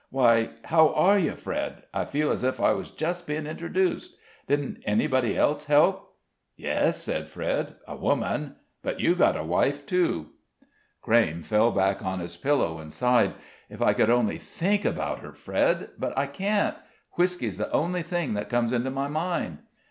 "Why how are you, Fred? I feel as if I was just being introduced. Didn't anybody else help?" "Yes," said Fred, "a woman; but you've got a wife, too." Crayme fell back on his pillow and sighed. "If I could only think about her, Fred! But I can't; whisky's the only thing that comes into my mind."